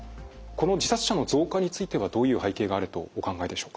この自殺者の増加についてはどういう背景があるとお考えでしょうか？